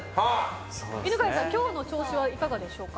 犬飼さん、今日の調子はいかがでしょうか。